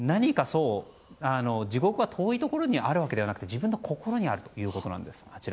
地獄は遠いところにあるわけではなくて自分の心にあるということなんです。